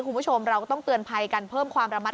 คุณผู้ชมเราก็ต้องเตือนภัยกันเพิ่มความระมัดระวัง